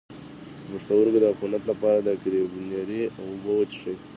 د پښتورګو د عفونت لپاره د کرینبیري اوبه وڅښئ